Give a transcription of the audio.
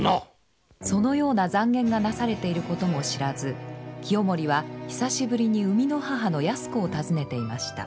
そのような讒言がなされていることも知らず清盛は久しぶりに生みの母の泰子を訪ねていました。